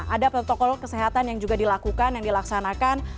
ada protokol kesehatan yang juga dilakukan yang dilaksanakan